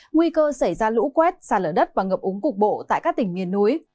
nguy cơ xảy ra lũ quét xa lở đất và ngập úng cục bộ tại các tỉnh miền núi